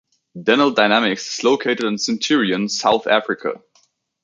Denel Dynamics is located in Centurion, South Africa.